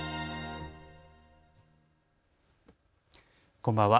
こんばんは。